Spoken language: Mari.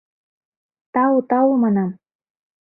— Тау-тау, — манам.